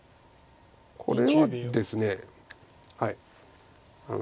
これはですね。